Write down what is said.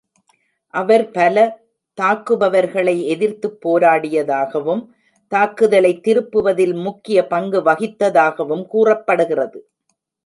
அவர் பல தாக்குபவர்களை எதிர்த்துப் போராடியதாகவும், தாக்குதலைத் திருப்புவதில் முக்கிய பங்கு வகித்ததாகவும் கூறப்படுகிறது.